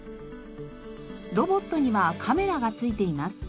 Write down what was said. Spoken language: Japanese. ロボットにはカメラが付いています。